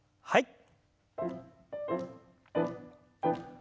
はい。